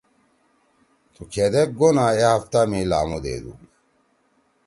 تُو کھیدیک گونا اے ہفتہ می لامو دیدُو؟